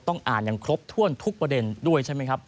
อ่านอย่างครบถ้วนทุกประเด็นด้วยใช่ไหมครับ